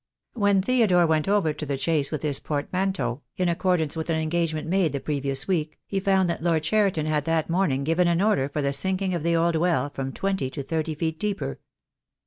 When Theodore went over to the Chase with his portmanteau, in accordance with an engagement made the previous week, he found that Lord Cheriton had that morning given an order for the sinking of the old well from twenty to thirty feet deeper.